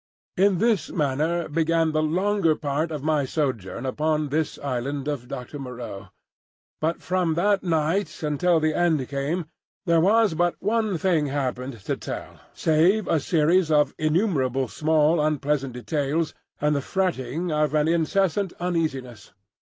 In this manner began the longer part of my sojourn upon this Island of Doctor Moreau. But from that night until the end came, there was but one thing happened to tell save a series of innumerable small unpleasant details and the fretting of an incessant uneasiness.